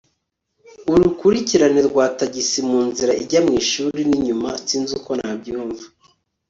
urukurikirane rwa tagisi munzira ijya mwishuri ninyuma. sinzi uko nabyumva